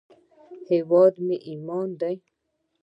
هېواد مو ایمان دی